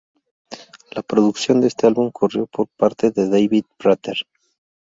La producción de este álbum corrió por parte de David Prater.